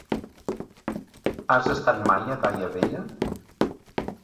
Has estat mai a Daia Vella?